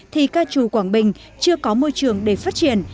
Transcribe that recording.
thì ca trù quảng bình chưa có môi trường để phát triển